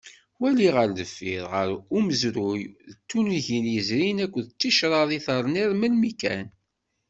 Wali ɣer deffir, ɣer umezruy n tunigin yezrin akked ticraḍ i terniḍ melmi kan.